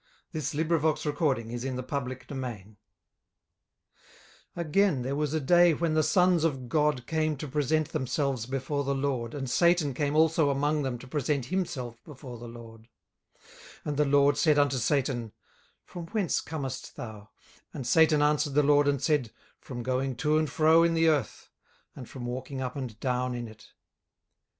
18:002:001 Again there was a day when the sons of God came to present themselves before the LORD, and Satan came also among them to present himself before the LORD. 18:002:002 And the LORD said unto Satan, From whence comest thou? And Satan answered the LORD, and said, From going to and fro in the earth, and from walking up and down in it.